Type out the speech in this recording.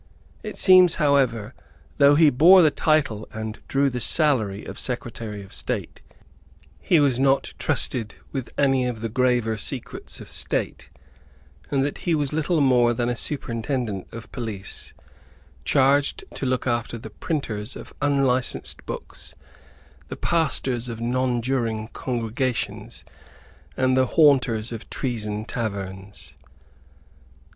It seems however that, though he bore the title and drew the salary of Secretary of State, he was not trusted with any of the graver secrets of State, and that he was little more than a superintendent of police, charged to look after the printers of unlicensed books, the pastors of nonjuring congregations, and the haunters of treason taverns.